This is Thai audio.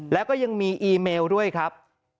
แล้วก็ยังมีอีเมลด้วยครับ